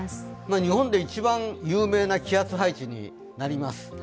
日本で一番有名な気圧配置になります。